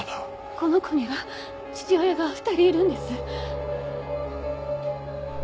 この子には父親が２人いるんです。